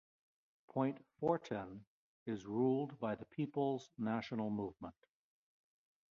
Point Fortin is ruled by the People's National Movement.